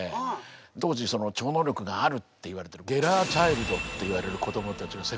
当時その超能力があるっていわれてるゲラー・チャイルドっていわれる子どもたちが世界中で出てきた。